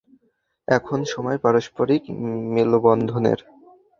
এখন সময় পারস্পরিক মেলবন্ধনের।